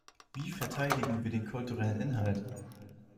Wie verteidigen wir den kulturellen Inhalt?